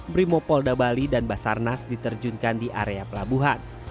brimopolda bali dan basarnas diterjunkan di area pelabuhan